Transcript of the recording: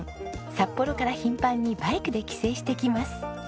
札幌から頻繁にバイクで帰省してきます。